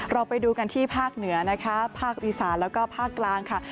เราไปดูกันที่ภาคเหนือนะคะภาคอีสานแล้วก็ภาคกลางค่ะ